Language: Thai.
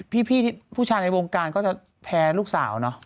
พี่ผู้ชายในวงการก็จะแพ้ลูกสาวเนอะ